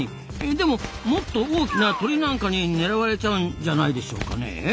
でももっと大きな鳥なんかに狙われちゃうんじゃないでしょうかねえ？